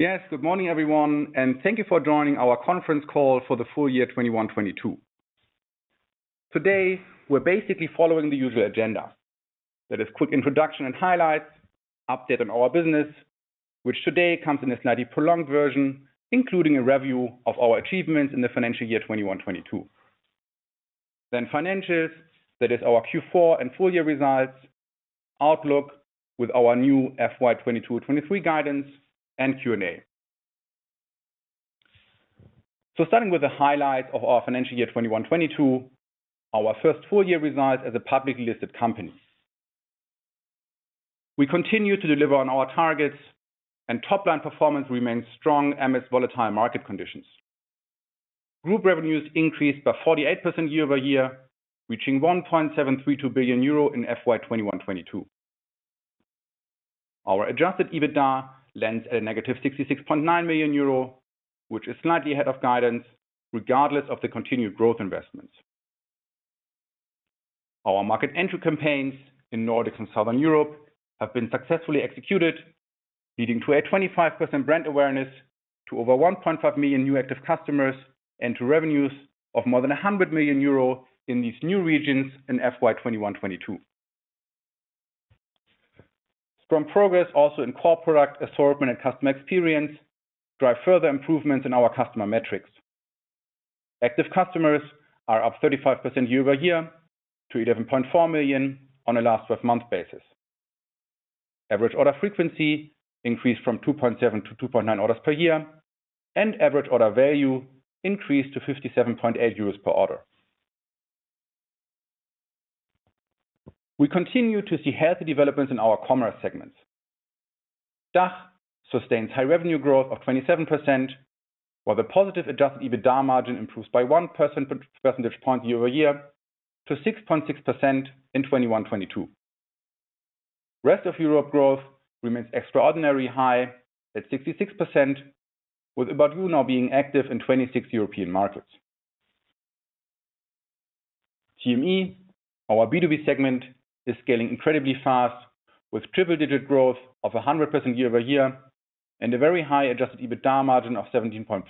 Yes, good morning, everyone, and thank you for joining our conference call for the full year 2021-2022. Today, we're basically following the usual agenda. That is quick introduction and highlights, update on our business, which today comes in a slightly prolonged version, including a review of our achievements in the financial year 2021-2022. Then financials, that is our Q4 and full year results, outlook with our new FY 2022/2023 guidance, and Q&A. Starting with the highlights of our financial year 2021/2022, our first full year results as a publicly listed company. We continue to deliver on our targets and top-line performance remains strong amidst volatile market conditions. Group revenues increased by 48% year-over-year, reaching 1.732 billion euro in FY 2021/2022. Our adjusted EBITDA lands at a negative 66.9 million euro, which is slightly ahead of guidance regardless of the continued growth investments. Our market entry campaigns in Nordics and Southern Europe have been successfully executed, leading to a 25% brand awareness to over 1.5 million new active customers and to revenues of more than 100 million euro in these new regions in FY 2021/2022. Strong progress also in core product assortment and customer experience drive further improvements in our customer metrics. Active customers are up 35% year-over-year to 11.4 million on a last twelve-month basis. Average order frequency increased from 2.7 to 2.9 orders per year, and average order value increased to 57.8 euros per order. We continue to see healthy developments in our commerce segments. DACH sustains high revenue growth of 27%, while the positive adjusted EBITDA margin improves by one percentage point year-over-year to 6.6% in 2021/2022. Rest of Europe growth remains extraordinary high at 66% with About You now being active in 26 European markets. TME, our B2B segment, is scaling incredibly fast with triple-digit growth of 100% year-over-year and a very high adjusted EBITDA margin of 17.3%.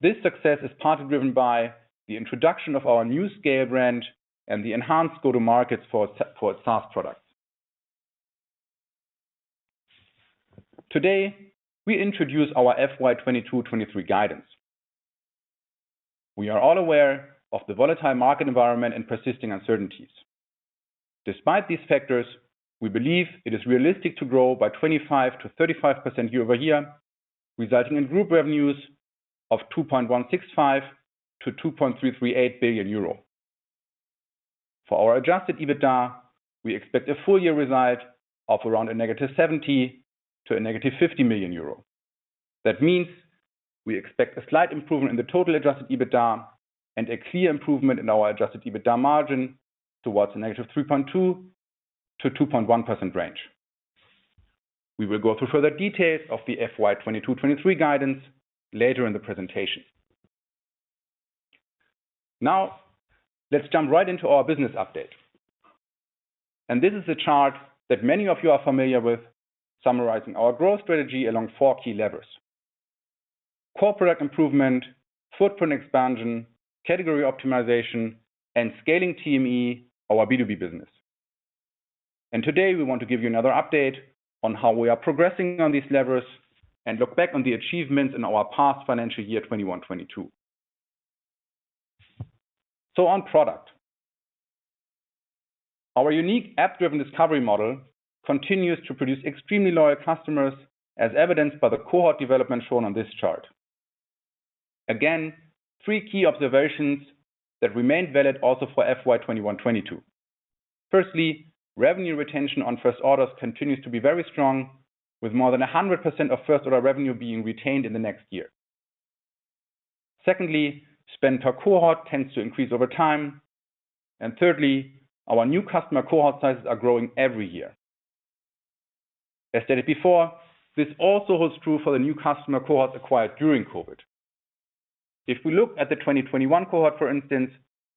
This success is partly driven by the introduction of our new SCAYLE brand and the enhanced go-to-markets for its SaaS products. Today, we introduce our FY 2022/2023 guidance. We are all aware of the volatile market environment and persisting uncertainties. Despite these factors, we believe it is realistic to grow by 25%-35% year-over-year, resulting in group revenues of 2.165 billion-2.338 billion euro. For our adjusted EBITDA, we expect a full year result of around -70 million to -50 million euro. That means we expect a slight improvement in the total adjusted EBITDA and a clear improvement in our adjusted EBITDA margin towards a -3.2% to 2.1% range. We will go through further details of the FY 2022/2023 guidance later in the presentation. Now, let's jump right into our business update. This is a chart that many of you are familiar with summarizing our growth strategy along four key levers, core product improvement, footprint expansion, category optimization, and scaling TME, our B2B business. Today, we want to give you another update on how we are progressing on these levers and look back on the achievements in our past financial year 2021/2022. On product. Our unique app-driven discovery model continues to produce extremely loyal customers as evidenced by the cohort development shown on this chart. Again, three key observations that remain valid also for FY 2021-2022. Firstly, revenue retention on first orders continues to be very strong with more than 100% of first order revenue being retained in the next year. Secondly, spend per cohort tends to increase over time. And thirdly, our new customer cohort sizes are growing every year. I said it before, this also holds true for the new customer cohorts acquired during COVID. If we look at the 2021 cohort, for instance,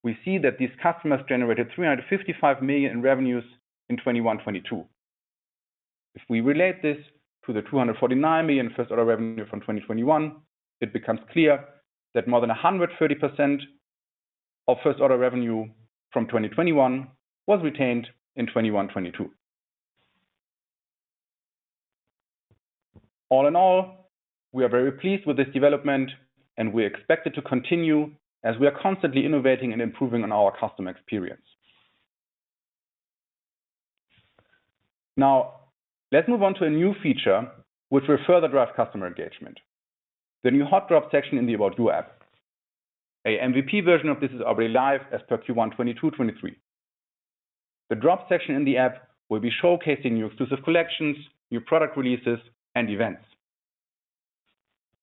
we see that these customers generated 355 million in revenues in 2021-2022. If we relate this to the 249 million first order revenue from 2021, it becomes clear that more than 130% of first order revenue from 2021 was retained in 2021-2022. All in all, we are very pleased with this development and we expect it to continue as we are constantly innovating and improving on our customer experience. Now, let's move on to a new feature which will further drive customer engagement. The new Hot Drop section in the About You app. An MVP version of this is already live as per Q1 2022-2023. The Drop section in the app will be showcasing new exclusive collections, new product releases and events.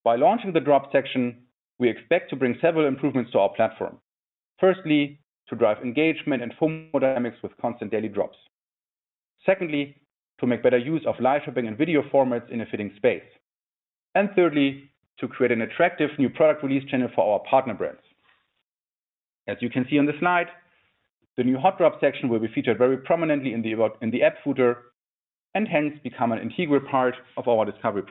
By launching the Hot Drop section, we expect to bring several improvements to our platform. Firstly, to drive engagement and form more dynamics with constant daily drops. Secondly, to make better use of live shopping and video formats in a fitting space. Thirdly, to create an attractive new product release channel for our partner brands. As you can see on the slide, the new Hot Drop section will be featured very prominently in the About You in the app footer, and hence become an integral part of our discovery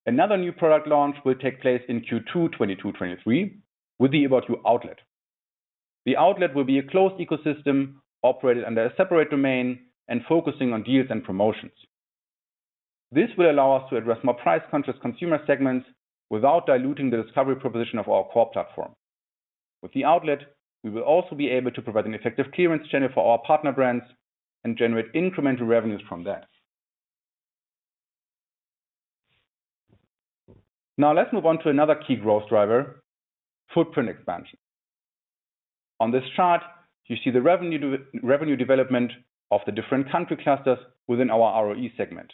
proposition. Another new product launch will take place in Q2 2022-2023 with the About You Outlet. The Outlet will be a closed ecosystem operated under a separate domain and focusing on deals and promotions. This will allow us to address more price-conscious consumer segments without diluting the discovery proposition of our core platform. With the Outlet, we will also be able to provide an effective clearance channel for our partner brands and generate incremental revenues from that. Now let's move on to another key growth driver, footprint expansion. On this chart, you see the revenue development of the different country clusters within our ROE segment.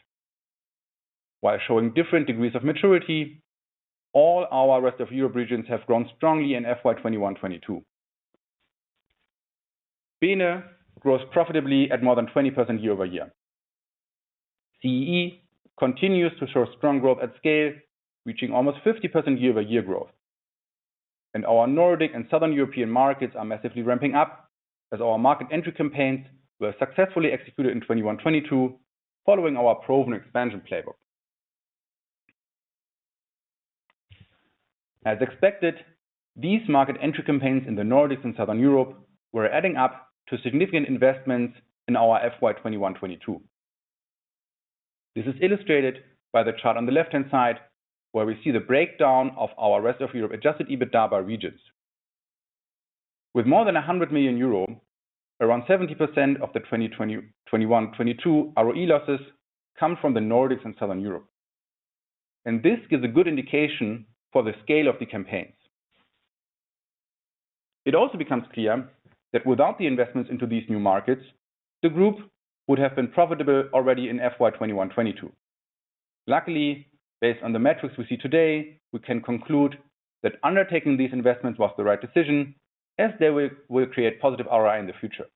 While showing different degrees of maturity, all our Rest of Europe regions have grown strongly in FY 2021, 2022. BeNe grows profitably at more than 20% year-over-year. CEE continues to show strong growth at SCAYLE, reaching almost 50% year-over-year growth. Our Nordic and Southern European markets are massively ramping up as our market entry campaigns were successfully executed in 2021, 2022 following our proven expansion playbook. As expected, these market entry campaigns in the Nordics and Southern Europe were adding up to significant investments in our FY 2021, 2022. This is illustrated by the chart on the left-hand side, where we see the breakdown of our Rest of Europe adjusted EBITDA by regions. With more than 100 million euro, around 70% of the 2021-2022 ROE losses come from the Nordics and Southern Europe. This gives a good indication for the scale of the campaigns. It also becomes clear that without the investments into these new markets, the group would have been profitable already in FY 2021-2022. Luckily, based on the metrics we see today, we can conclude that undertaking these investments was the right decision as they will create positive ROI in the future.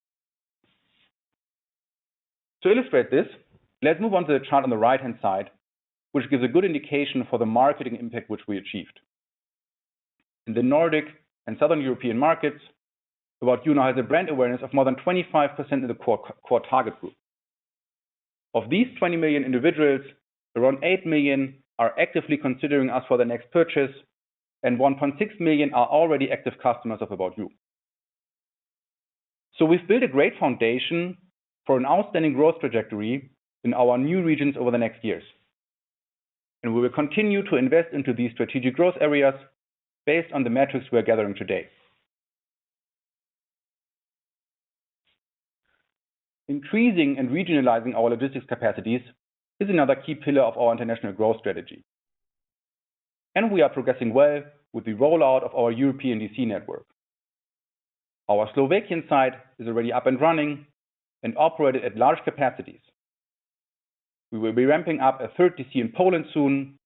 To illustrate this, let's move on to the chart on the right-hand side, which gives a good indication for the marketing impact which we achieved. In the Nordic and Southern European markets, About You now has a brand awareness of more than 25% of the core target group. Of these 20 million individuals, around 8 million are actively considering us for their next purchase, and 1.6 million are already active customers of About You. We've built a great foundation for an outstanding growth trajectory in our new regions over the next years, and we will continue to invest into these strategic growth areas based on the metrics we are gathering today. Increasing and regionalizing our logistics capacities is another key pillar of our international growth strategy. We are progressing well with the rollout of our European DC network. Our Slovakian site is already up and running and operated at large capacities. We will be ramping up a third DC in Poland soon,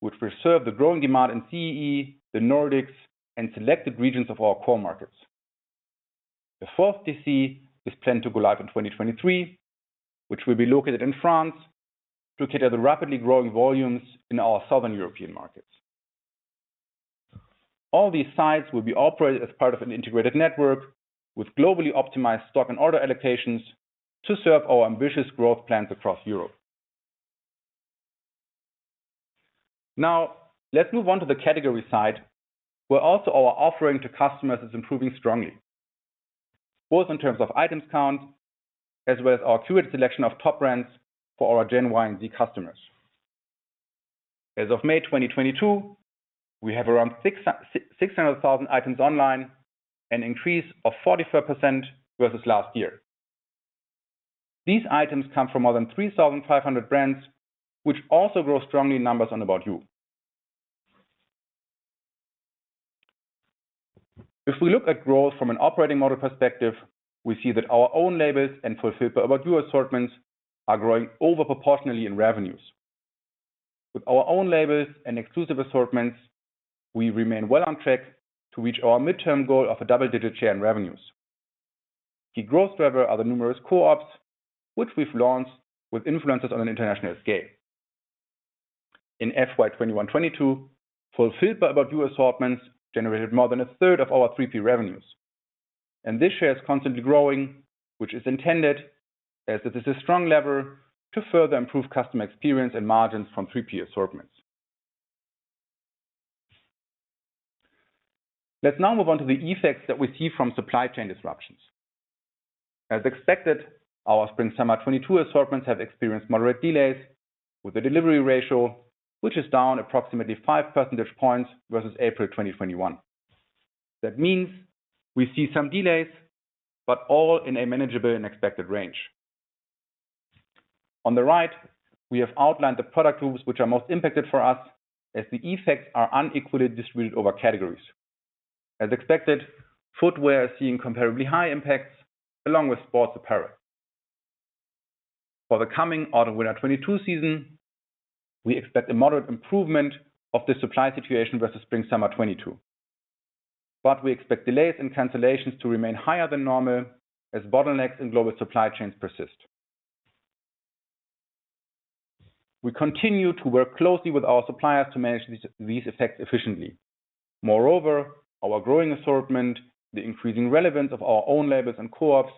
which will serve the growing demand in CEE, the Nordics, and selected regions of our core markets. The fourth DC is planned to go live in 2023, which will be located in France to cater to the rapidly growing volumes in our Southern European markets. All these sites will be operated as part of an integrated network with globally optimized stock and order allocations to serve our ambitious growth plans across Europe. Now, let's move on to the category side, where also our offering to customers is improving strongly, both in terms of items count, as well as our curated selection of top brands for our Gen Y and Gen Z customers. As of May 2022, we have around 600,000 items online, an increase of 44% versus last year. These items come from more than 3,500 brands, which also grow strongly in numbers on About You. If we look at growth from an operating model perspective, we see that our own labels and Fulfilled by About You assortments are growing over proportionally in revenues. With our own labels and exclusive assortments, we remain well on track to reach our midterm goal of a double-digit share in revenues. The growth driver are the numerous co-ops, which we've launched with influencers on an international SCAYLE. In FY 2021-2022, Fulfilled by About You assortments generated more than a third of our 3P revenues. This share is constantly growing, which is intended as it is a strong lever to further improve customer experience and margins from 3P assortments. Let's now move on to the effects that we see from supply chain disruptions. As expected, our spring/summer 2022 assortments have experienced moderate delays with the delivery ratio, which is down approximately 5 percentage points versus April 2021. That means we see some delays, but all in a manageable and expected range. On the right, we have outlined the product groups which are most impacted for us as the effects are unequally distributed over categories. As expected, footwear is seeing comparably high impacts along with sports apparel. For the coming autumn/winter 2022 season, we expect a moderate improvement of the supply situation versus spring/summer 2022. We expect delays and cancellations to remain higher than normal as bottlenecks in global supply chains persist. We continue to work closely with our suppliers to manage these effects efficiently. Moreover, our growing assortment, the increasing relevance of our own labels and co-ops,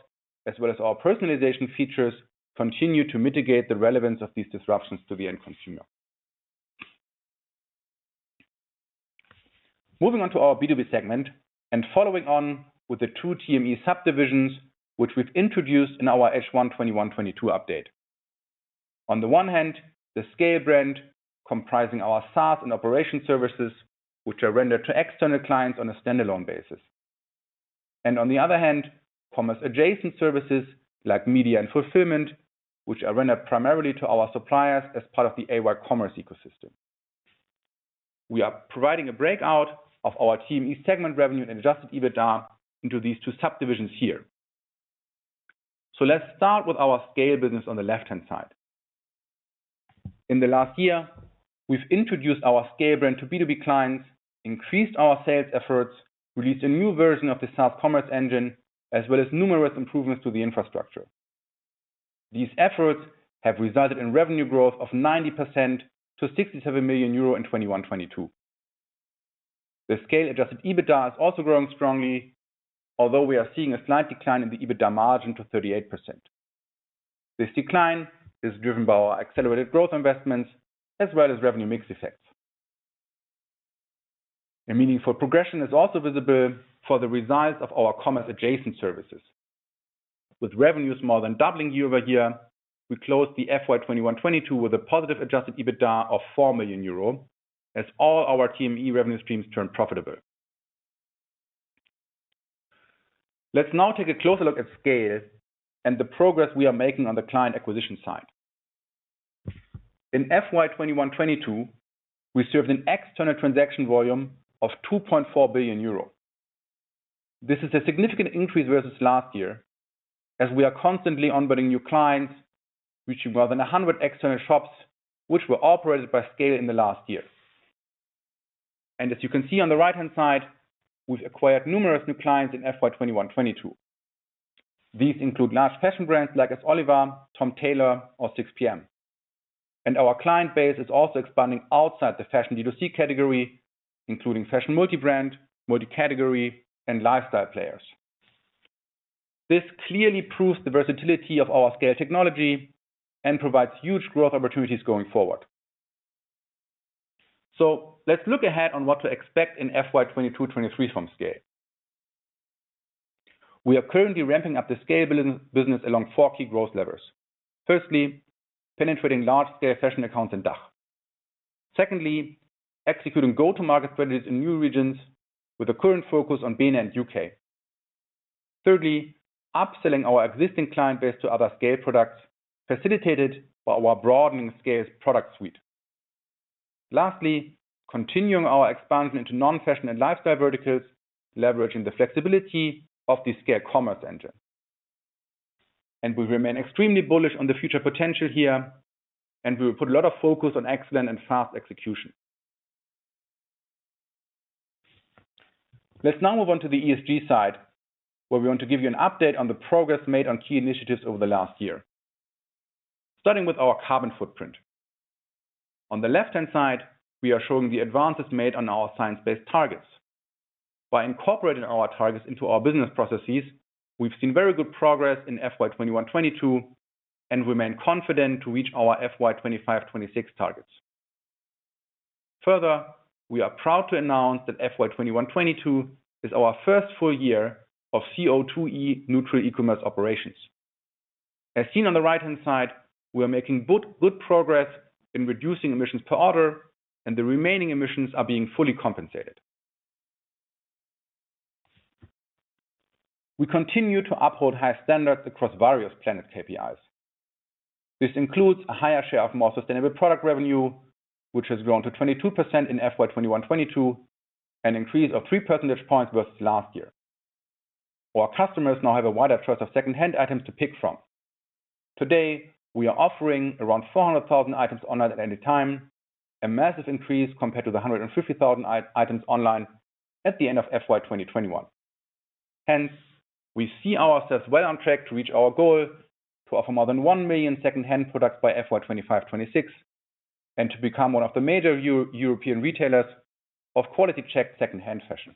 as well as our personalization features, continue to mitigate the relevance of these disruptions to the end consumer. Moving on to our B2B segment and following on with the two TME subdivisions, which we've introduced in our H1 2021-2022 update. On the one hand, the SCAYLE brand comprising our SaaS and operation services, which are rendered to external clients on a standalone basis. And on the other hand, commerce adjacent services like media and fulfillment, which are rendered primarily to our suppliers as part of the AY Commerce ecosystem. We are providing a breakout of our TME segment revenue and adjusted EBITDA into these two subdivisions here. Let's start with our SCAYLE business on the left-hand side. In the last year, we've introduced our SCAYLE brand to B2B clients, increased our sales efforts, released a new version of the SCAYLE Commerce Engine, as well as numerous improvements to the infrastructure. These efforts have resulted in revenue growth of 90% to 67 million euro in 2021-2022. The SCAYLE-adjusted EBITDA is also growing strongly, although we are seeing a slight decline in the EBITDA margin to 38%. This decline is driven by our accelerated growth investments as well as revenue mix effects. A meaningful progression is also visible for the results of our commerce adjacent services. With revenues more than doubling year-over-year, we closed the FY 2021-2022 with a positive adjusted EBITDA of four million euro as all our TME revenue streams turned profitable. Let's now take a closer look at SCAYLE and the progress we are making on the client acquisition side. In FY 2021-2022, we served an external transaction volume of 2.4 billion euro. This is a significant increase versus last year, as we are constantly onboarding new clients, reaching more than 100 external shops, which were operated by SCAYLE in the last year. As you can see on the right-hand side, we've acquired numerous new clients in FY 2021-2022. These include large fashion brands like s.Oliver, Tom Tailor, or 6pm. Our client base is also expanding outside the fashion D2C category, including fashion multi-brand, multi-category, and lifestyle players. This clearly proves the versatility of our SCAYLE technology and provides huge growth opportunities going forward. Let's look ahead on what to expect in FY 2022-2023 from SCAYLE. We are currently ramping up the SCAYLE business along four key growth levers. Firstly, penetrating large-scale SCAYLE fashion accounts in DACH. Secondly, executing go-to-market strategies in new regions with a current focus on BeNe and UK. Thirdly, upselling our existing client base to other SCAYLE products, facilitated by our broadening SCAYLE's product suite. Lastly, continuing our expansion into non-fashion and lifestyle verticals, leveraging the flexibility of the SCAYLE commerce engine. We remain extremely bullish on the future potential here, and we will put a lot of focus on excellent and fast execution. Let's now move on to the ESG side, where we want to give you an update on the progress made on key initiatives over the last year. Starting with our carbon footprint. On the left-hand side, we are showing the advances made on our science-based targets. By incorporating our targets into our business processes, we've seen very good progress in FY 2021-2022 and remain confident to reach our FY 2025-2026 targets. Further, we are proud to announce that FY 2021-2022 is our first full year of CO2E neutral e-commerce operations. As seen on the right-hand side, we are making good progress in reducing emissions per order, and the remaining emissions are being fully compensated. We continue to uphold high standards across various planet KPIs. This includes a higher share of more sustainable product revenue, which has grown to 22% in FY 2021-2022, an increase of three percentage points versus last year. Our customers now have a wider choice of secondhand items to pick from. Today, we are offering around 400,000 items online at any time, a massive increase compared to the 150,000 items online at the end of FY 2021. Hence, we see ourselves well on track to reach our goal to offer more than one million second hand products by FY 2025-2026 and to become one of the major European retailers of quality-checked secondhand fashion.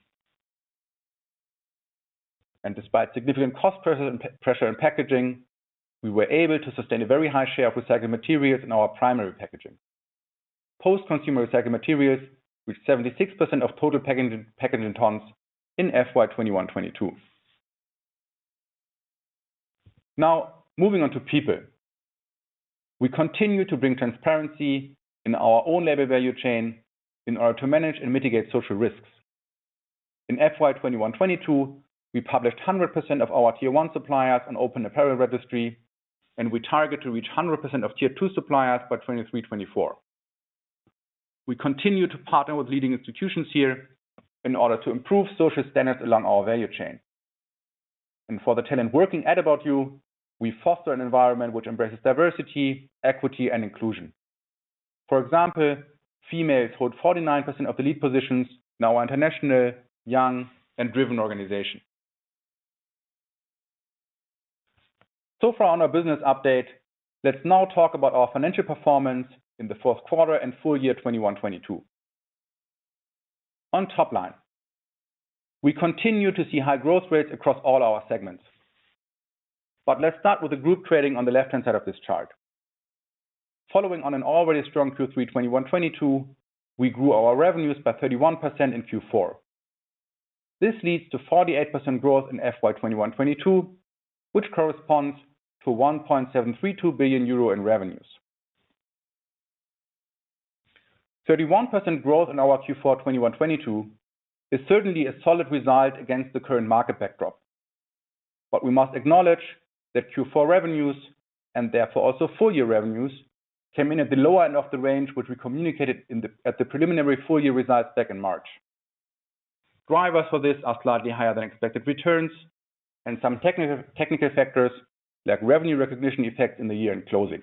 Despite significant cost pressure and packaging, we were able to sustain a very high share of recycled materials in our primary packaging. Post-consumer recycled materials reached 76% of total packaging tons in FY 2021-2022. Now, moving on to people. We continue to bring transparency in our own labor value chain in order to manage and mitigate social risks. In FY 2021-2022, we published 100% of our tier one suppliers on Open Apparel Registry, and we target to reach 100% of tier two suppliers by 2023-2024. We continue to partner with leading institutions here in order to improve social standards along our value chain. For the talent working at About You, we foster an environment which embraces diversity, equity, and inclusion. For example, females hold 49% of the lead positions in our international, young, and driven organization. So far on our business update, let's now talk about our financial performance in the fourth quarter and full year 2021-2022. On top line, we continue to see high growth rates across all our segments. Let's start with the group trading on the left-hand side of this chart. Following on an already strong Q3 2021-2022, we grew our revenues by 31% in Q4. This leads to 48% growth in FY 2021-2022, which corresponds to 1.732 billion euro in revenues. 31% growth in our Q4 2021-2022 is certainly a solid result against the current market backdrop. We must acknowledge that Q4 revenues, and therefore also full year revenues, came in at the lower end of the range, which we communicated at the preliminary full year results back in March. Drivers for this are slightly higher than expected returns and some technical factors like revenue recognition effect in the year-end closing.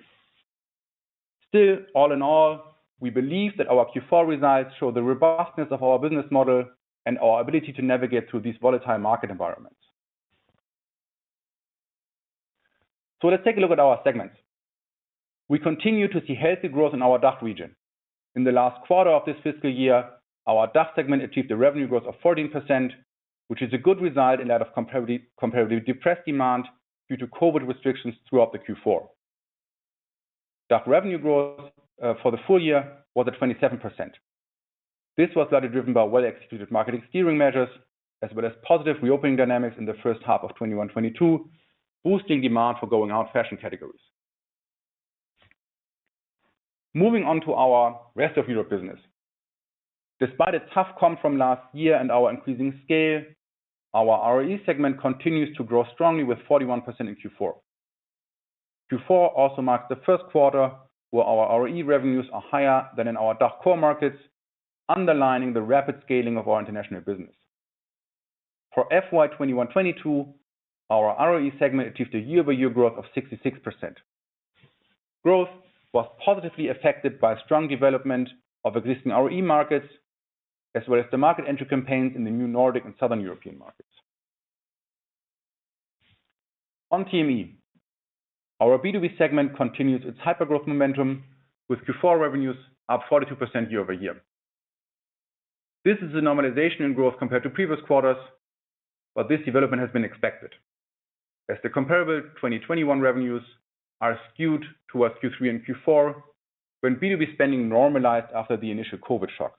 Still, all in all, we believe that our Q4 results show the robustness of our business model and our ability to navigate through these volatile market environments. Let's take a look at our segments. We continue to see healthy growth in our DACH region. In the last quarter of this fiscal year, our DACH segment achieved a revenue growth of 14%, which is a good result in light of comparatively depressed demand due to COVID restrictions throughout the Q4. DACH revenue growth for the full year was at 27%. This was largely driven by well-executed marketing steering measures as well as positive reopening dynamics in the first half of 2021-2022, boosting demand for going out fashion categories. Moving on to our rest of Europe business. Despite a tough comp from last year and our increasing SCAYLE, our ROE segment continues to grow strongly with 41% in Q4. Q4 also marks the first quarter where our ROE revenues are higher than in our DACH core markets, underlining the rapid scaling of our international business. For FY 2021-2022, our ROE segment achieved a year-over-year growth of 66%. Growth was positively affected by strong development of existing ROE markets, as well as the market entry campaigns in the new Nordic and Southern European markets. On TME, our B2B segment continues its hyper growth momentum with Q4 revenues up 42% year-over-year. This is a normalization in growth compared to previous quarters, but this development has been expected as the comparable 2021 revenues are skewed towards Q3 and Q4 when B2B spending normalized after the initial COVID shock.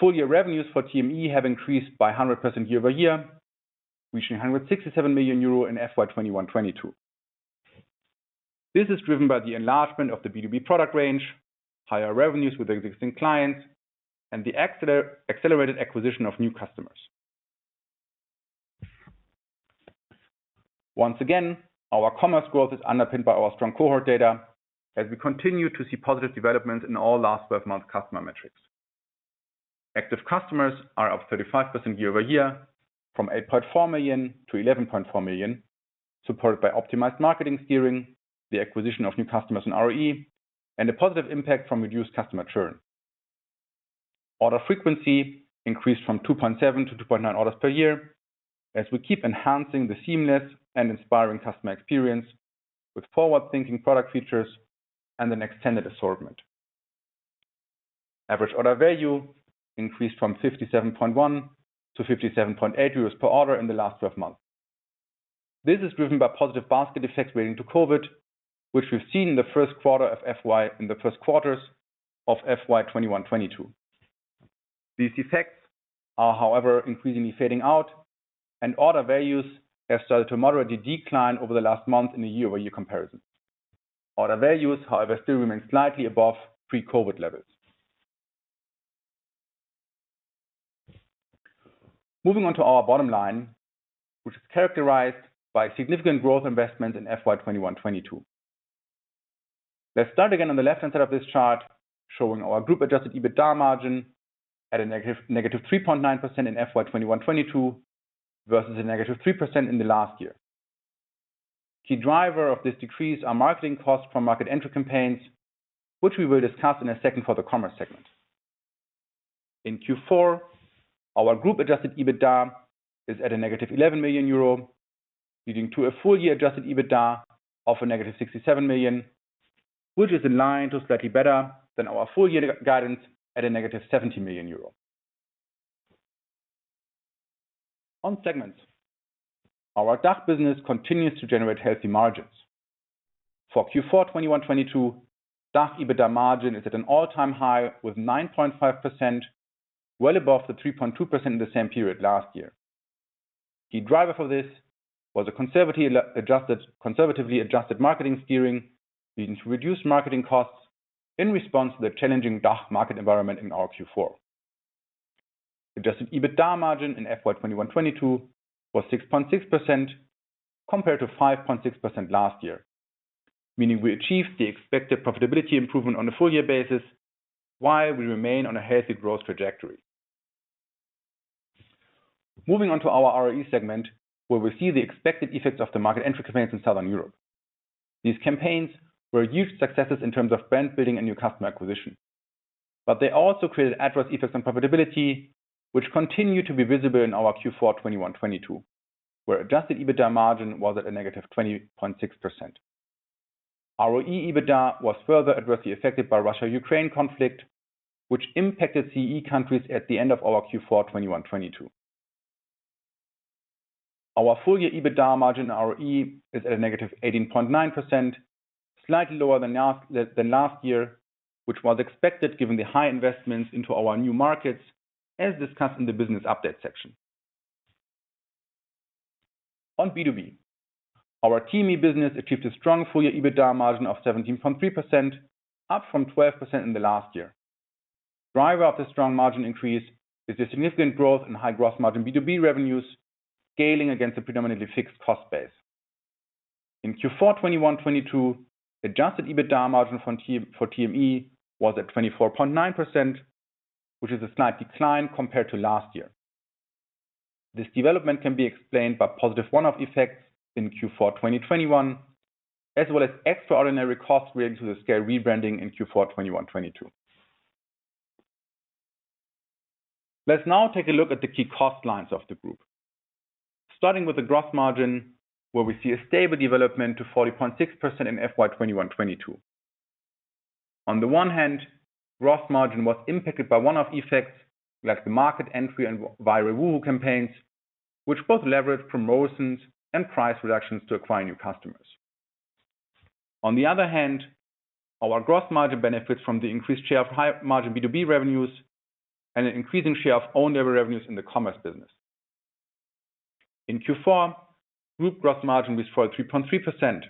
Full year revenues for TME have increased by 100% year-over-year, reaching EUR 167 million in FY 2021-2022. This is driven by the enlargement of the B2B product range, higher revenues with existing clients, and the accelerated acquisition of new customers. Once again, our commerce growth is underpinned by our strong cohort data as we continue to see positive development in all last twelve months customer metrics. Active customers are up 35% year-over-year from 8.4 million to 11.4 million, supported by optimized marketing steering, the acquisition of new customers in ROE, and a positive impact from reduced customer churn. Order frequency increased from 2.7 to 2.9 orders per year as we keep enhancing the seamless and inspiring customer experience with forward-thinking product features and an extended assortment. Average order value increased from 57.1 to 57.8 euros per order in the last 12 months. This is driven by positive basket effects relating to COVID, which we've seen in the first quarters of FY 2021-2022. These effects are, however, increasingly fading out and order values have started to moderately decline over the last month in the year-over-year comparison. Order values, however, still remain slightly above pre-COVID levels. Moving on to our bottom line, which is characterized by significant growth investment in FY 2021-2022. Let's start again on the left-hand side of this chart showing our group adjusted EBITDA margin at a negative 3.9% in FY 2021-2022 versus a negative 3% in the last year. Key driver of this decrease are marketing costs for market entry campaigns, which we will discuss in a second for the commerce segment. In Q4, our group adjusted EBITDA is at a negative 11 million euro, leading to a full year adjusted EBITDA of a negative 67 million, which is in line to slightly better than our full year guidance at a negative 70 million euro. On segments, our DACH business continues to generate healthy margins. For Q4 2021-2022, DACH EBITDA margin is at an all-time high with 9.5%, well above the 3.2% in the same period last year. Key driver for this was conservatively adjusted marketing steering, leading to reduced marketing costs in response to the challenging DACH market environment in our Q4. Adjusted EBITDA margin in FY 2021-2022 was 6.6% compared to 5.6% last year, meaning we achieved the expected profitability improvement on a full year basis while we remain on a healthy growth trajectory. Moving on to our ROE segment, where we see the expected effects of the market entry campaigns in Southern Europe. These campaigns were huge successes in terms of brand building and new customer acquisition. They also created adverse effects on profitability, which continue to be visible in our Q4 2021-2022, where adjusted EBITDA margin was at -20.6%. ROE EBITDA was further adversely affected by Russia-Ukraine conflict, which impacted CE countries at the end of our Q4 2021-2022. Our full year EBITDA margin ROE is at -18.9%, slightly lower than last year, which was expected given the high investments into our new markets as discussed in the business update section. On B2B, our TME business achieved a strong full year EBITDA margin of 17.3%, up from 12% in the last year. Driver of the strong margin increase is the significant growth in high gross margin B2B revenues scaling against a predominantly fixed cost base. In Q4 2021-2022, adjusted EBITDA margin for TME was at 24.9%, which is a slight decline compared to last year. This development can be explained by positive one-off effects in Q4 2021, as well as extraordinary costs related to the SCAYLE rebranding in Q4 2021-2022. Let's now take a look at the key cost lines of the group. Starting with the gross margin, where we see a stable development to 40.6% in FY 2021-2022. On the one hand, gross margin was impacted by one-off effects like the market entry and viral Woohoohoo campaigns, which both leveraged promotions and price reductions to acquire new customers. On the other hand, our gross margin benefits from the increased share of high margin B2B revenues and an increasing share of own label revenues in the commerce business. In Q4, group gross margin was 43.3%.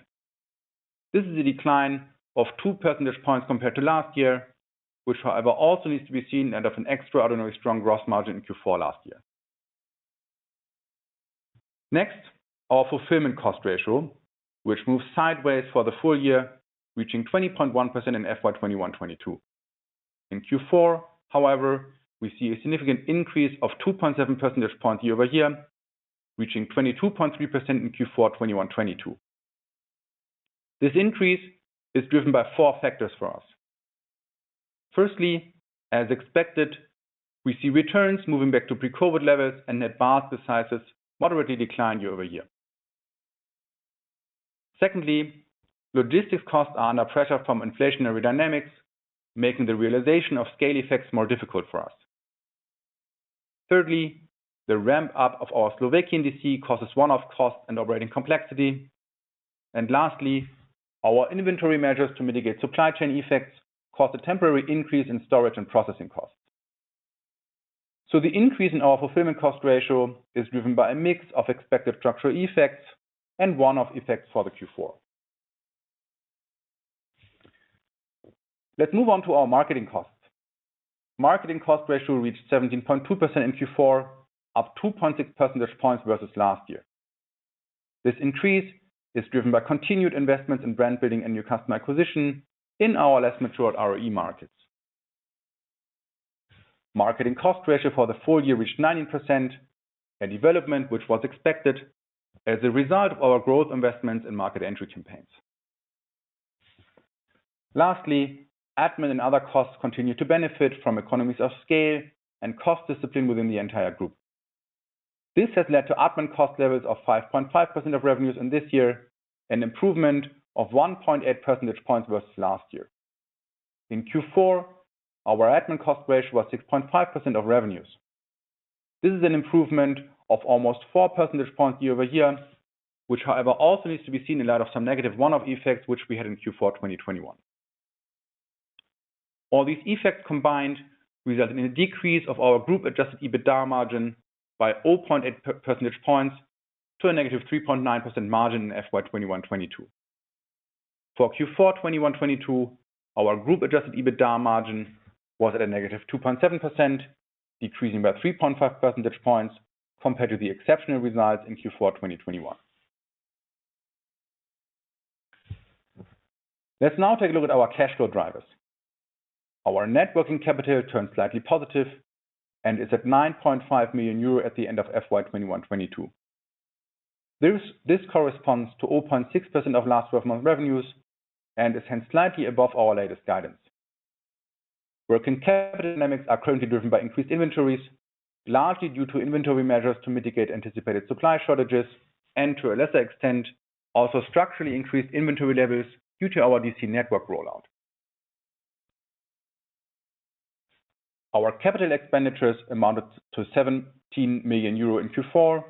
This is a decline of two percentage points compared to last year, which however also needs to be seen in the light of an extraordinarily strong gross margin in Q4 last year. Next, our fulfillment cost ratio, which moves sideways for the full year, reaching 20.1% in FY 2021-2022. In Q4, however, we see a significant increase of 2.7 percentage points year-over-year, reaching 22.3% in Q4 2021/2022. This increase is driven by four factors for us. Firstly, as expected, we see returns moving back to pre-COVID levels and average order sizes moderately decline year-over-year. Secondly, logistics costs are under pressure from inflationary dynamics, making the realization of SCAYLE effects more difficult for us. Thirdly, the ramp-up of our Slovakian DC causes one-off costs and operating complexity. Lastly, our inventory measures to mitigate supply chain effects cause a temporary increase in storage and processing costs. The increase in our fulfillment cost ratio is driven by a mix of expected structural effects and one-off effects for the Q4. Let's move on to our marketing costs. Marketing cost ratio reached 17.2% in Q4, up 2.6 percentage points versus last year. This increase is driven by continued investments in brand building and new customer acquisition in our less matured ROW markets. Marketing cost ratio for the full year reached 19%, a development which was expected as a result of our growth investments in market entry campaigns. Lastly, admin and other costs continue to benefit from economies of SCAYLE and cost discipline within the entire group. This has led to admin cost levels of 5.5% of revenues in this year, an improvement of 1.8 percentage points versus last year. In Q4, our admin cost ratio was 6.5% of revenues. This is an improvement of almost four percentage points year-over-year, which however also needs to be seen in light of some negative one-off effects which we had in Q4 2021. All these effects combined resulted in a decrease of our group adjusted EBITDA margin by 0.8 percentage points to a negative 3.9% margin in FY 2021/2022. For Q4 2021/2022, our group adjusted EBITDA margin was at a negative 2.7%, decreasing by 3.5 percentage points compared to the exceptional results in Q4 2021. Let's now take a look at our cash flow drivers. Our net working capital turned slightly positive and is at 9.5 million euro at the end of FY 2021-2022. This corresponds to 0.6% of last 12-month revenues and is hence slightly above our latest guidance, where working capital dynamics are currently driven by increased inventories, largely due to inventory measures to mitigate anticipated supply shortages and to a lesser extent, also structurally increased inventory levels due to our DC network rollout. Our capital expenditures amounted to 17 million euro in Q4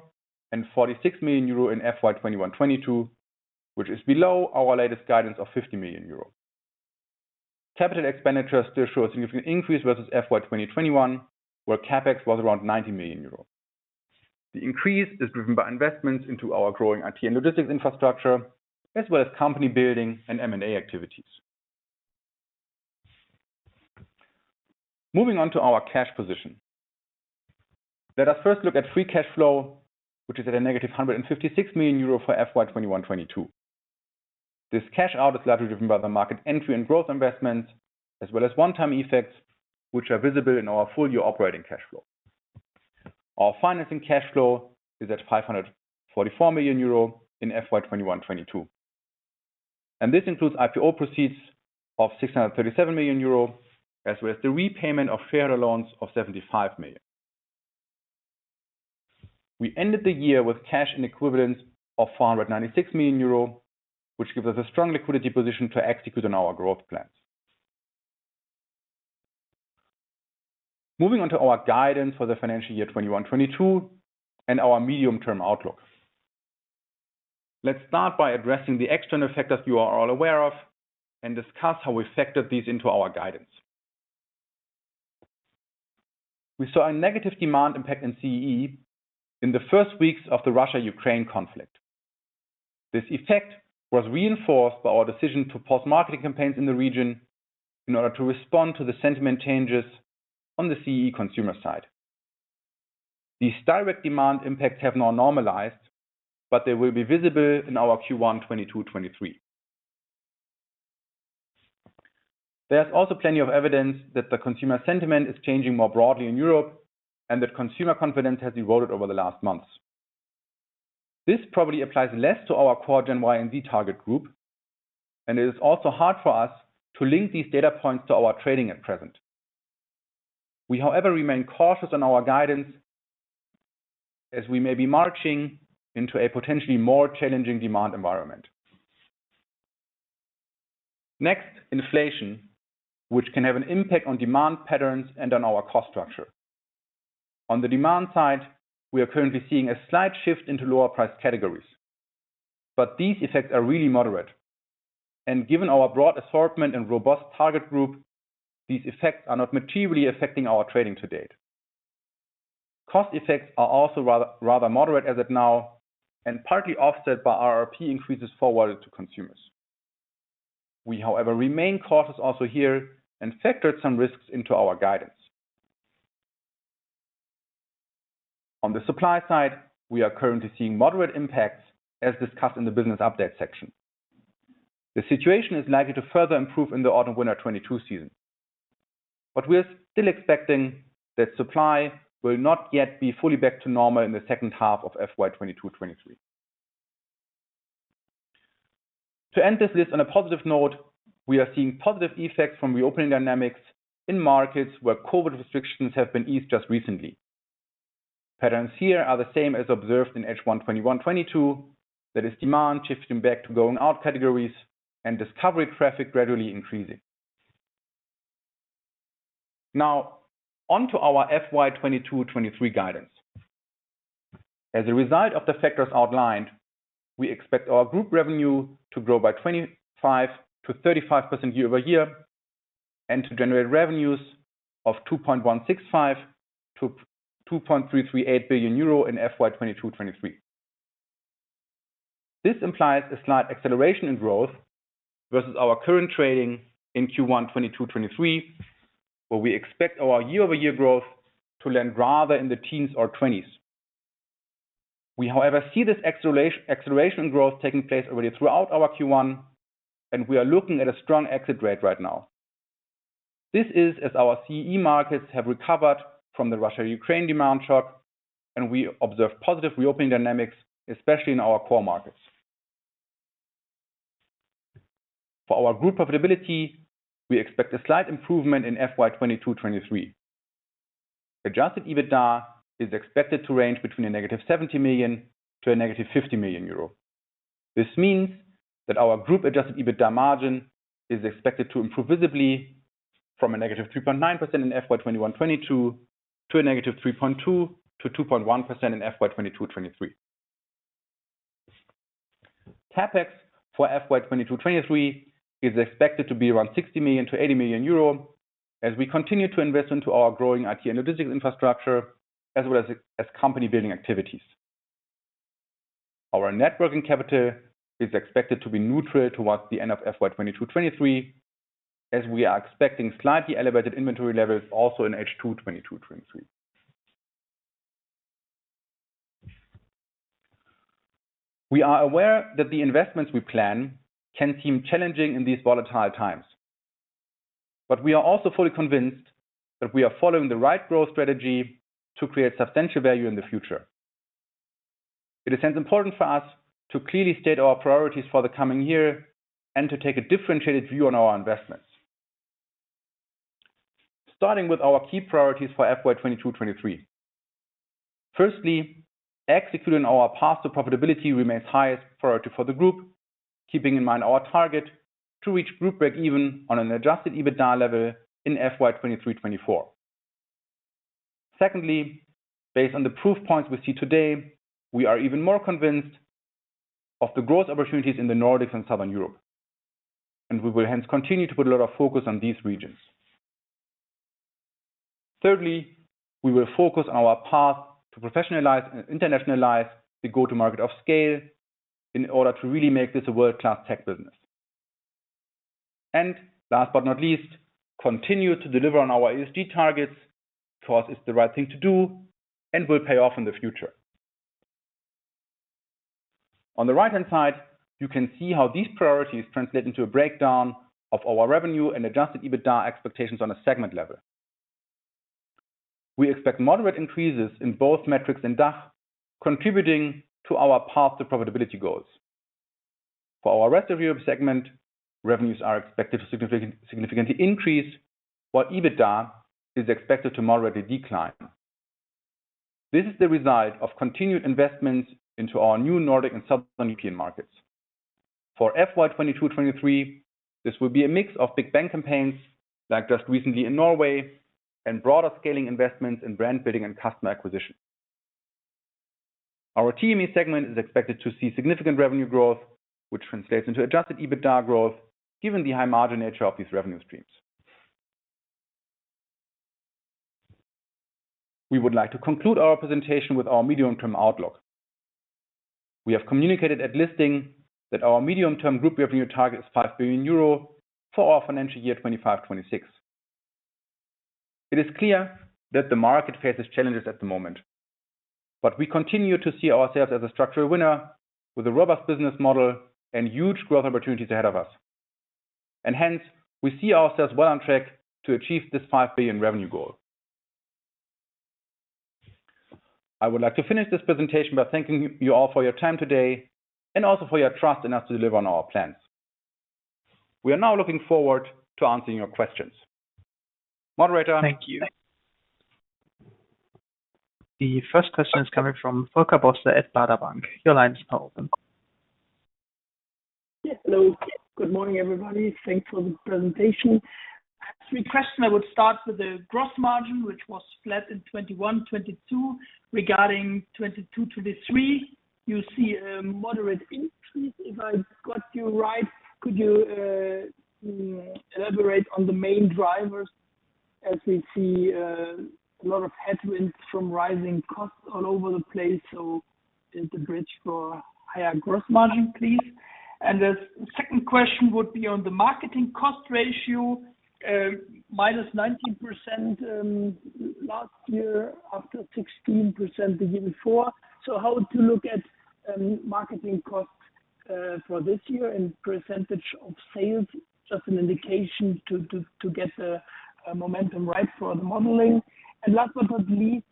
and 46 million euro in FY 2021-2022, which is below our latest guidance of 50 million euro. Capital expenditures still show a significant increase versus FY 2021, where CapEx was around 90 million euros. The increase is driven by investments into our growing IT and logistics infrastructure, as well as company building and M&A activities. Moving on to our cash position. Let us first look at free cash flow, which is at a negative 156 million euro for FY 2021-2022. This cash out is largely driven by the market entry and growth investments, as well as one-time effects which are visible in our full year operating cash flow. Our financing cash flow is at 544 million euro in FY 2021-2022. This includes IPO proceeds of 637 million euro, as well as the repayment of fair loans of 75 million. We ended the year with cash and equivalents of 496 million euro, which gives us a strong liquidity position to execute on our growth plans. Moving on to our guidance for the financial year 2021-2022, and our medium term outlook. Let's start by addressing the external factors you are all aware of, and discuss how we factored these into our guidance. We saw a negative demand impact in CEE in the first weeks of the Russia-Ukraine conflict. This effect was reinforced by our decision to pause marketing campaigns in the region in order to respond to the sentiment changes on the CEE consumer side. These direct demand impacts have now normalized, but they will be visible in our Q1 2022-2023. There's also plenty of evidence that the consumer sentiment is changing more broadly in Europe, and that consumer confidence has eroded over the last months. This probably applies less to our core Gen Y and Gen Z target group, and it is also hard for us to link these data points to our trading at present. We, however, remain cautious on our guidance as we may be marching into a potentially more challenging demand environment. Next, inflation, which can have an impact on demand patterns and on our cost structure. On the demand side, we are currently seeing a slight shift into lower price categories, but these effects are really moderate. Given our broad assortment and robust target group, these effects are not materially affecting our trading to date. Cost effects are also rather moderate as of now, and partly offset by RRP increases forwarded to consumers. We, however, remain cautious also here and factored some risks into our guidance. On the supply side, we are currently seeing moderate impacts as discussed in the business update section. The situation is likely to further improve in the autumn/winter 2022 season, but we're still expecting that supply will not yet be fully back to normal in the second half of FY 2022-2023. To end this list on a positive note, we are seeing positive effects from reopening dynamics in markets where COVID restrictions have been eased just recently. Patterns here are the same as observed in H1 2021-2022. That is demand shifting back to going out categories and discovery traffic gradually increasing. Now on to our FY 2022-2023 guidance. As a result of the factors outlined, we expect our group revenue to grow by 25%-35% year-over-year, and to generate revenues of 2.165 billion-2.338 billion euro in FY 2022-2023. This implies a slight acceleration in growth versus our current trading in Q1 2022-2023, where we expect our year-over-year growth to land rather in the teens or twenties. We, however, see this acceleration growth taking place already throughout our Q1, and we are looking at a strong exit rate right now. This is as our CEE markets have recovered from the Russia-Ukraine demand shock, and we observe positive reopening dynamics, especially in our core markets. For our group profitability, we expect a slight improvement in FY 2022-2023. Adjusted EBITDA is expected to range between -70 million and -50 million euro. This means that our group adjusted EBITDA margin is expected to improve visibly from -3.9% in FY 2021-2022 to -3.2% to 2.1% in FY 2022-2023. CapEx for FY 2022-2023 is expected to be around 60 million-80 million euro as we continue to invest into our growing IT and the digital infrastructure, as well as company building activities. Our net working capital is expected to be neutral towards the end of FY 2022-2023, as we are expecting slightly elevated inventory levels also in H2 2022-2023. We are aware that the investments we plan can seem challenging in these volatile times, but we are also fully convinced that we are following the right growth strategy to create substantial value in the future. It is hence important for us to clearly state our priorities for the coming year and to take a differentiated view on our investments. Starting with our key priorities for FY 2022-2023. Firstly, executing on our path to profitability remains highest priority for the group, keeping in mind our target to reach group breakeven on an adjusted EBITDA level in FY 2023-2024. Secondly, based on the proof points we see today, we are even more convinced of the growth opportunities in the Nordics and Southern Europe, and we will hence continue to put a lot of focus on these regions. Thirdly, we will focus on our path to professionalize and internationalize the go-to-market of SCAYLE in order to really make this a world-class tech business. Last but not least, continue to deliver on our ESG targets because it's the right thing to do and will pay off in the future. On the right-hand side, you can see how these priorities translate into a breakdown of our revenue and adjusted EBITDA expectations on a segment level. We expect moderate increases in both metrics in DACH, contributing to our path to profitability goals. For our rest of Europe segment, revenues are expected to significantly increase, while EBITDA is expected to moderately decline. This is the result of continued investments into our new Nordic and Southern European markets. For FY 2022-2023, this will be a mix of big bang campaigns, like just recently in Norway, and broader scaling investments in brand building and customer acquisition. Our TME segment is expected to see significant revenue growth, which translates into adjusted EBITDA growth, given the high margin nature of these revenue streams. We would like to conclude our presentation with our medium-term outlook. We have communicated at listing that our medium-term group revenue target is 5 billion euro for our financial year 2025-2026. It is clear that the market faces challenges at the moment, but we continue to see ourselves as a structural winner with a robust business model and huge growth opportunities ahead of us. Hence, we see ourselves well on track to achieve this 5 billion revenue goal. I would like to finish this presentation by thanking you all for your time today, and also for your trust in us to deliver on our plans. We are now looking forward to answering your questions. Moderator? Thank you. The first question is coming from Volker Bosse at Baader Bank. Your line is now open. Yes. Hello. Good morning, everybody. Thanks for the presentation. I have three questions. I would start with the gross margin, which was flat in 2021-2022. Regarding 2022-2023, you see a moderate increase, if I got you right. Could you elaborate on the main drivers as we see a lot of headwinds from rising costs all over the place? Is the bridge for higher gross margin, please? The second question would be on the marketing cost ratio, -19%, last year after 16% the year before. How to look at marketing costs for this year in percentage of sales? Just an indication to get a momentum right for the modeling. Last but not least,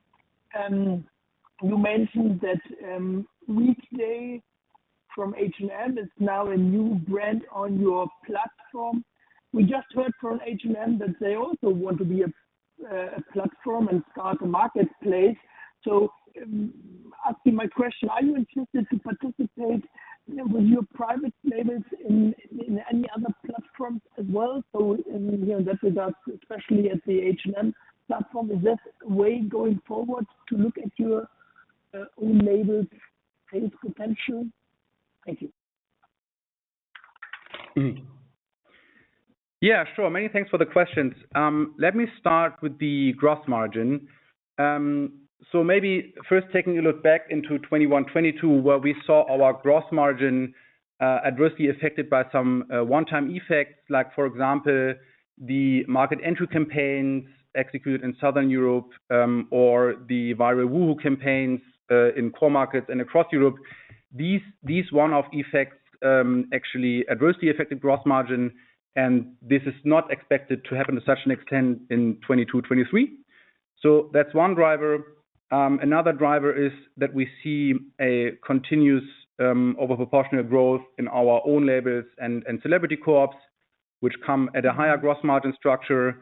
you mentioned that Weekday from H&M is now a new brand on your platform. We just heard from H&M that they also want to be a platform and start a marketplace. Asking my question, are you interested to participate, you know, with your private labels in any other platforms as well? I mean, you know, that results especially at the H&M platform. Is this way going forward to look at your own labels' sales potential? Thank you. Yeah, sure. Many thanks for the questions. Let me start with the gross margin. Maybe first taking a look back into 2021-2022, where we saw our gross margin adversely affected by some one-time effects. Like for example, the market entry campaigns executed in Southern Europe or the viral Woohoohoo campaigns in core markets and across Europe. These one-off effects actually adversely affected gross margin, and this is not expected to happen to such an extent in 2022-2023. That's one driver. Another driver is that we see a continuous over-proportional growth in our own labels and celebrity co-ops, which come at a higher gross margin structure.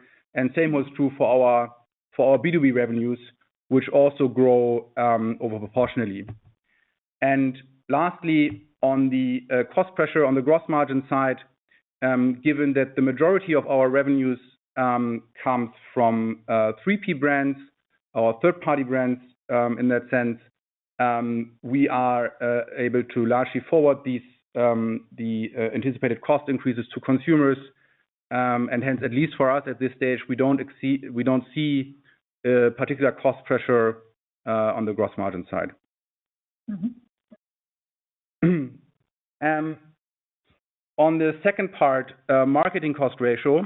Same was true for our B2B revenues, which also grow over-proportionally. Lastly, on the cost pressure on the gross margin side, given that the majority of our revenues comes from three-P brands or third-party brands, in that sense, we are able to largely forward these anticipated cost increases to consumers. Hence, at least for us at this stage, we don't see particular cost pressure on the gross margin side. Mm-hmm. On the second part, marketing cost ratio,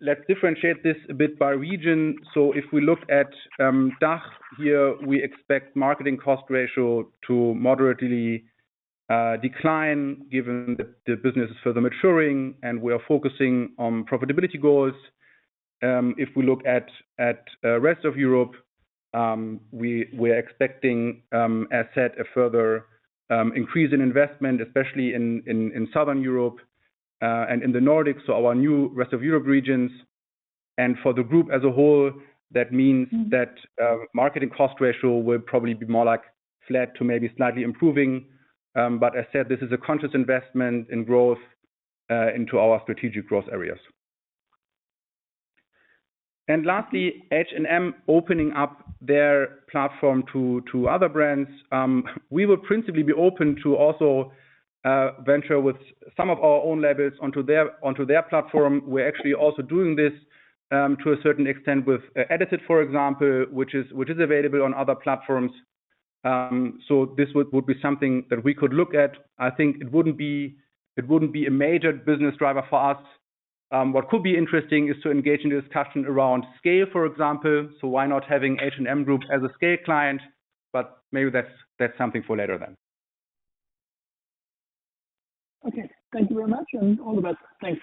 let's differentiate this a bit by region. If we look at DACH here, we expect marketing cost ratio to moderately decline given the business is further maturing, and we are focusing on profitability goals. If we look at rest of Europe, we're expecting, as said, a further increase in investment, especially in Southern Europe and in the Nordics, so our new rest of Europe regions. For the group as a whole, that means that marketing cost ratio will probably be more like flat to maybe slightly improving. As said, this is a conscious investment in growth into our strategic growth areas. Lastly, H&M opening up their platform to other brands. We will principally be open to also venture with some of our own labels onto their platform. We're actually also doing this to a certain extent with EDITED, for example, which is available on other platforms. This would be something that we could look at. I think it wouldn't be a major business driver for us. What could be interesting is to engage in a discussion around SCAYLE, for example. Why not having H&M Group as a SCAYLE client, but maybe that's something for later then. Okay. Thank you very much, and all the best. Thanks.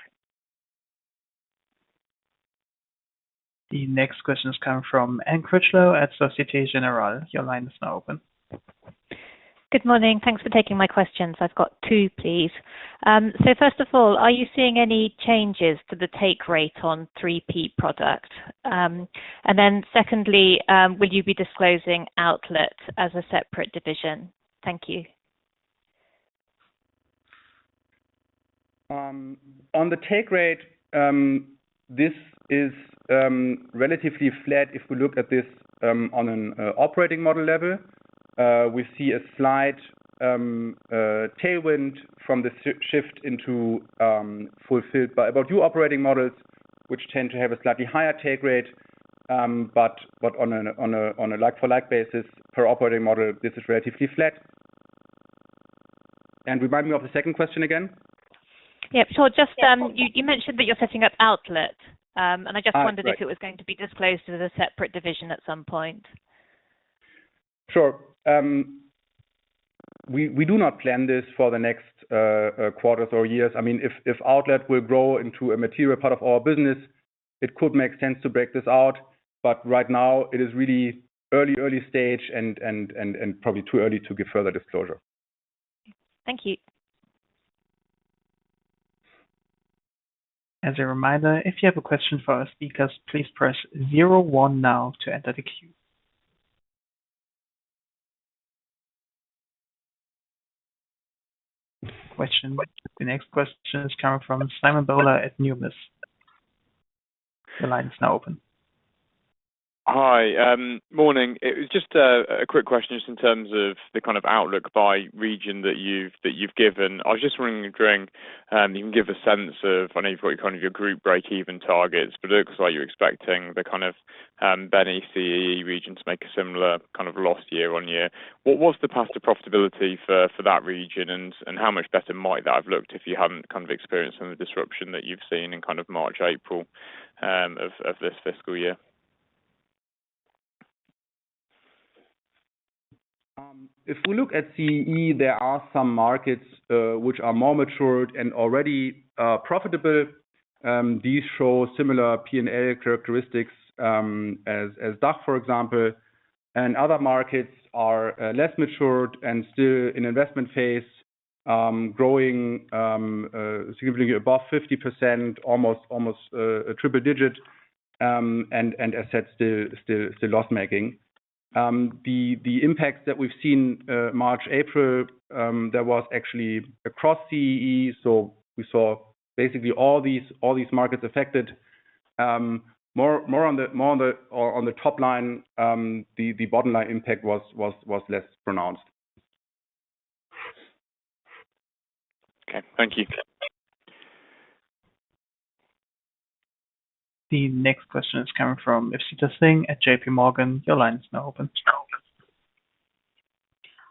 The next question is coming from Anne Critchlow at Societe Generale. Your line is now open. Good morning. Thanks for taking my questions. I've got two, please. First of all, are you seeing any changes to the take rate on 3P product? Then secondly, will you be disclosing outlet as a separate division? Thank you. On the take rate, this is relatively flat. If we look at this, on an operating model level, we see a slight tailwind from the shift into Fulfilled by About You operating models, which tend to have a slightly higher take rate. But on a like for like basis per operating model, this is relatively flat. Remind me of the second question again. Yep. Sure. Just, you mentioned that you're setting up outlet, and I just wondered. Right. If it was going to be disclosed as a separate division at some point. Sure. We do not plan this for the next quarters or years. I mean, if Outlet will grow into a material part of our business, it could make sense to break this out. Right now it is really early stage and probably too early to give further disclosure. Thank you. As a reminder, if you have a question for our speakers, please press zero one now to enter the queue. Question. The next question is coming from Simon Bowler at Numis. Your line is now open. Hi, morning. It was just a quick question just in terms of the kind of outlook by region that you've given. I was just wondering if you can give a sense of, I know you've got kind of your group breakeven targets, but it looks like you're expecting the kind of Benelux CEE region to make a similar kind of loss year-on-year. What was the path to profitability for that region and how much better might that have looked if you hadn't kind of experienced some of the disruption that you've seen in kind of March, April of this fiscal year? If we look at CEE, there are some markets which are more matured and already profitable. These show similar P&L characteristics as DACH, for example. Other markets are less matured and still in investment phase, growing significantly above 50%, almost triple-digit, and as said, still loss-making. The impact that we've seen in March, April, that was actually across CEE. We saw basically all these markets affected. More on the top line. The bottom line impact was less pronounced. Okay. Thank you. The next question is coming from Georgina Johanan at J.P. Morgan. Your line is now open.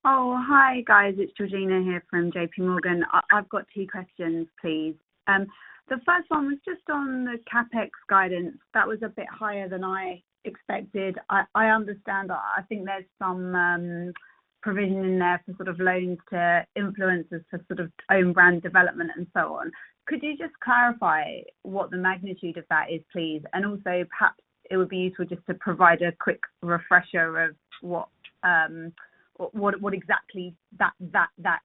Oh, hi guys. It's Georgina Johanan here from J.P. Morgan. I've got two questions, please. The first one was just on the CapEx guidance. That was a bit higher than I expected. I understand. I think there's some provision in there for sort of loans to influencers to sort of own brand development and so on. Could you just clarify what the magnitude of that is, please? And also perhaps it would be useful just to provide a quick refresher of what exactly that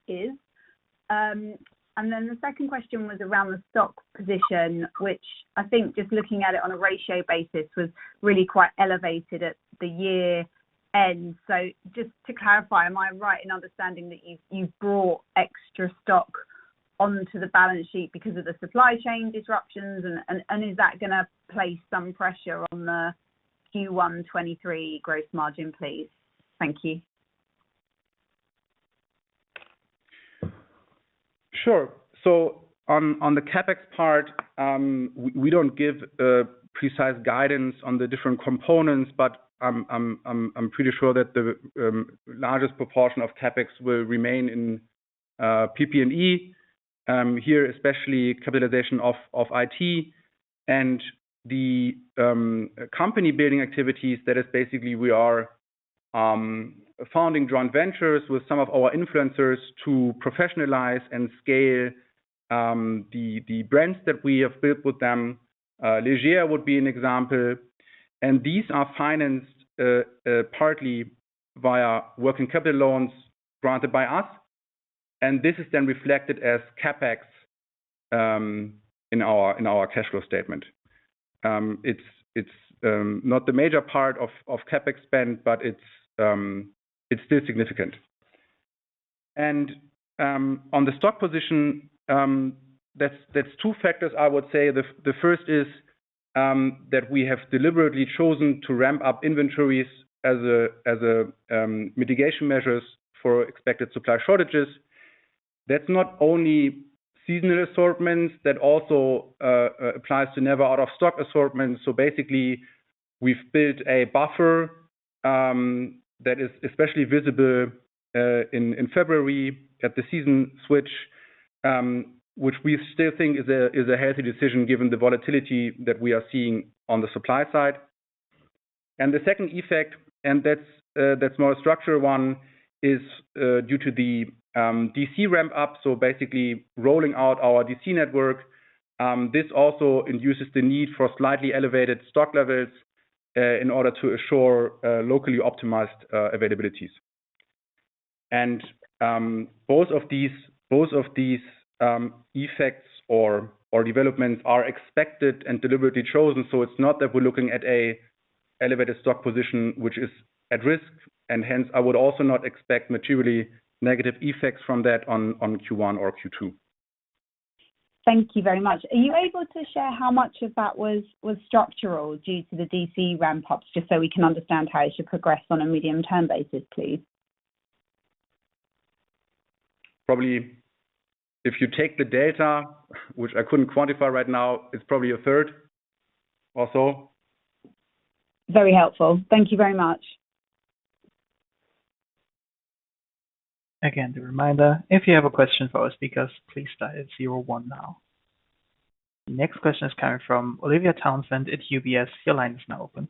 is. And then the second question was around the stock position, which I think just looking at it on a ratio basis was really quite elevated at the year end. Just to clarify, am I right in understanding that you've brought extra stock onto the balance sheet because of the supply chain disruptions and is that gonna place some pressure on the Q1 2023 gross margin, please? Thank you. Sure. On the CapEx part, we don't give precise guidance on the different components, but I'm pretty sure that the largest proportion of CapEx will remain in PP&E. Here, especially capitalization of IT and the company building activities. That is basically we are founding joint ventures with some of our influencers to professionalize and scale the brands that we have built with them. LeGer would be an example. These are financed partly via working capital loans granted by us. This is then reflected as CapEx in our cash flow statement. It's not the major part of CapEx spend, but it's still significant. On the stock position, that's two factors, I would say. The first is that we have deliberately chosen to ramp up inventories as a mitigation measures for expected supply shortages. That's not only seasonal assortments. That also applies to never out of stock assortments. Basically we've built a buffer that is especially visible in February at the season switch, which we still think is a healthy decision given the volatility that we are seeing on the supply side. The second effect, that's more a structural one, is due to the DC ramp up, basically rolling out our DC network. This also induces the need for slightly elevated stock levels in order to assure locally optimized availabilities. Both of these effects or developments are expected and deliberately chosen. It's not that we're looking at an elevated stock position which is at risk, and hence I would also not expect materially negative effects from that on Q1 or Q2. Thank you very much. Are you able to share how much of that was structural due to the DC ramp up, just so we can understand how it should progress on a medium-term basis, please? Probably if you take the data, which I couldn't quantify right now, it's probably a third or so. Very helpful. Thank you very much. Again, the reminder, if you have a question for our speakers, please dial zero one now. The next question is coming from Olivia Townsend at UBS. Your line is now open.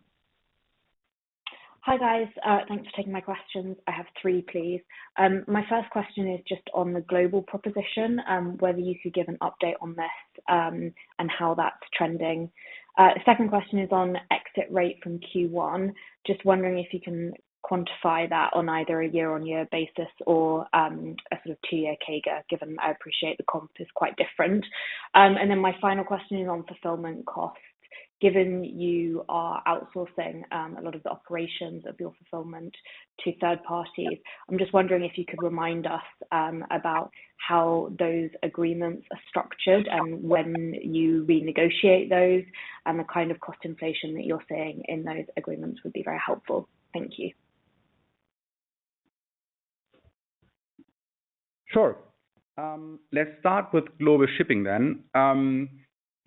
Hi, guys. Thanks for taking my questions. I have three, please. My first question is just on the global proposition, whether you could give an update on this, and how that's trending. Second question is on exit rate from Q1. Just wondering if you can quantify that on either a year-on-year basis or a sort of two-year CAGR, given I appreciate the comp is quite different. My final question is on fulfillment costs. Given you are outsourcing a lot of the operations of your fulfillment to third parties, I'm just wondering if you could remind us about how those agreements are structured and when you renegotiate those, and the kind of cost inflation that you're seeing in those agreements would be very helpful. Thank you. Sure. Let's start with global shipping then.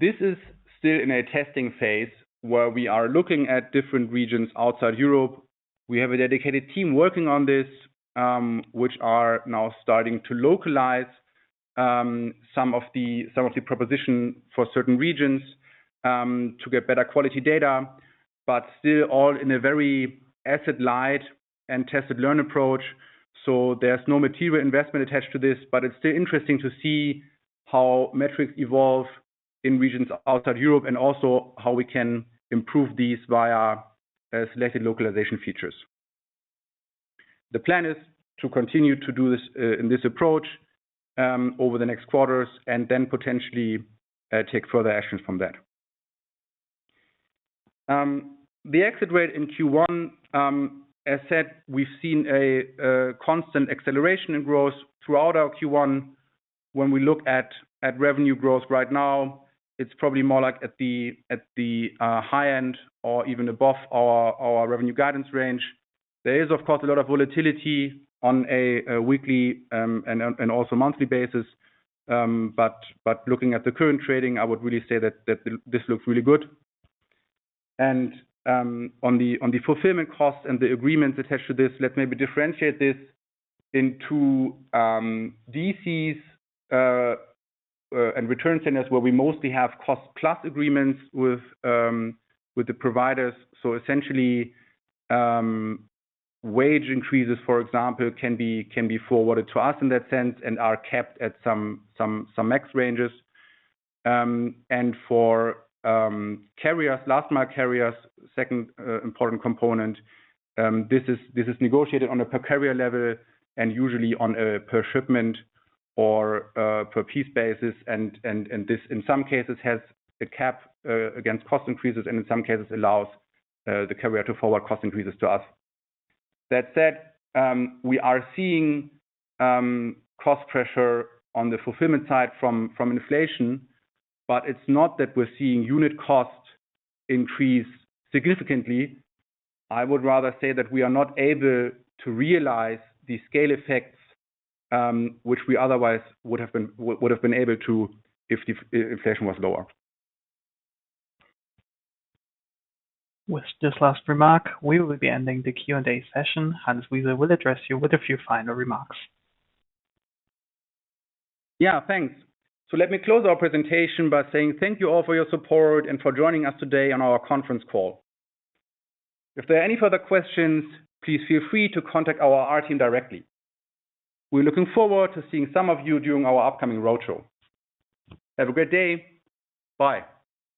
This is still in a testing phase where we are looking at different regions outside Europe. We have a dedicated team working on this, which are now starting to localize some of the proposition for certain regions to get better quality data. Still all in a very asset-light and test and learn approach. There's no material investment attached to this, but it's still interesting to see how metrics evolve in regions outside Europe and also how we can improve these via selected localization features. The plan is to continue to do this in this approach over the next quarters and then potentially take further actions from that. The exit rate in Q1, as said, we've seen a constant acceleration in growth throughout our Q1. When we look at revenue growth right now, it's probably more like at the high end or even above our revenue guidance range. There is, of course, a lot of volatility on a weekly and also monthly basis. Looking at the current trading, I would really say that this looks really good. On the fulfillment costs and the agreement attached to this, let me differentiate this into DCs and return centers where we mostly have cost plus agreements with the providers. Essentially, wage increases, for example, can be forwarded to us in that sense and are capped at some max ranges. For carriers, last mile carriers, second important component, this is negotiated on a per carrier level and usually on a per shipment or per piece basis. This in some cases has a cap against cost increases and in some cases allows the carrier to forward cost increases to us. That said, we are seeing cost pressure on the fulfillment side from inflation, but it's not that we're seeing unit cost increase significantly. I would rather say that we are not able to realize the SCAYLE effects, which we otherwise would have been able to if inflation was lower. With this last remark, we will be ending the Q&A session. Hannes Wiese will address you with a few final remarks. Yeah, thanks. Let me close our presentation by saying thank you all for your support and for joining us today on our conference call. If there are any further questions, please feel free to contact our IR team directly. We're looking forward to seeing some of you during our upcoming roadshow. Have a great day. Bye.